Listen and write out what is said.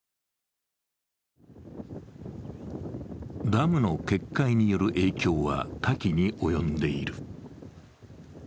ダムの決壊による影響は多岐に及んでいる。